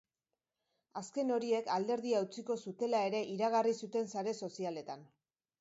Azken horiek alderdia utziko zutela ere iragarri zuten sare sozialetan.